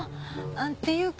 っていうか